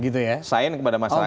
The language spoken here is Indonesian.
pembagian kepada masyarakat